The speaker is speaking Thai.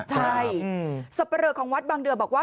ใช่สับปะเลอของวัดบางเดือบอกว่า